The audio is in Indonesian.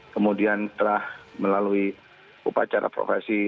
kemudian telah melalui upacara profesi